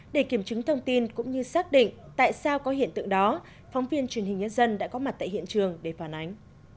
để kiểm chứng thông tin cũng như xác định tại sao có hiện tượng đó phóng viên truyền hình nhân dân đã có mặt tại hiện trường để phản ánh